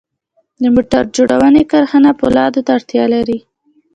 د موټر جوړونې کارخانه پولادو ته اړتیا لري